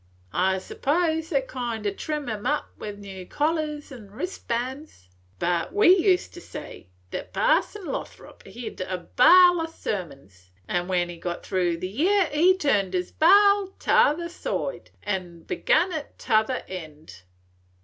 I s'pose they kind o' trim 'em up with new collars 'n' wristbands. But we used to say thet Parson Lothrop hed a bar'l o' sermons, 'n' when he got through the year he turned his bar'l t'other side up, and begun at t'other end.